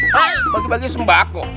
pak bagi bagi sembako